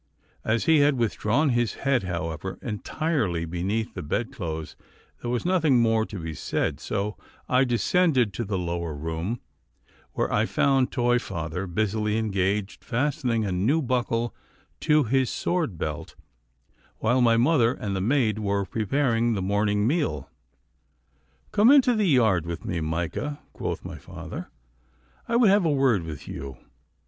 As he had withdrawn his head, however, entirely beneath the bedclothes, there was nothing more to be said, so I descended to the lower room, where I found toy father busily engaged fastening a new buckle to his sword belt while my mother and the maid were preparing the morning meal. 'Come into the yard with me, Micah,' quoth my father; 'I would have a word with you.